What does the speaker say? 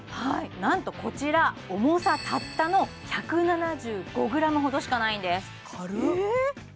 はいなんとこちら重さたったの１７５ｇほどしかないんです軽っ！